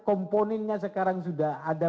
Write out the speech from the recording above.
komponennya sekarang sudah ada